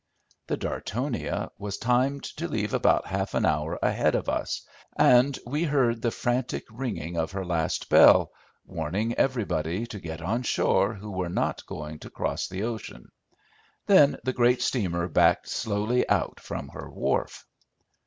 The Dartonia was timed to leave about half an hour ahead of us, and we heard the frantic ringing of her last bell warning everybody to get on shore who were not going to cross the ocean. Then the great steamer backed slowly out from her wharf.